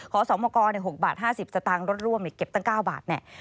ขอสมกร๖บาท๕๐สตางค์รถร่วมเก็บตั้ง๙บาทเนี่ย